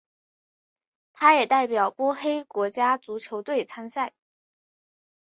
他也代表波黑国家足球队参赛。